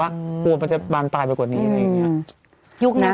หรือว่าควรมันจะบานตายไปกว่านี้อะไรอย่างเงี้ย